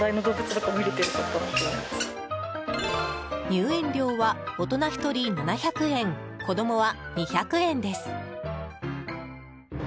入園料は、大人１人７００円子供は２００円です。